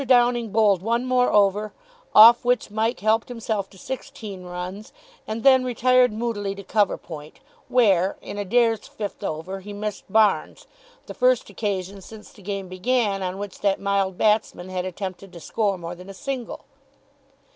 Downing bowled one more over, off which Mike helped himself to sixteen runs, and then retired moodily to cover point, where, in Adair's fifth over, he missed Barnes the first occasion since the game began on which that mild batsman had attempted to score more than a single.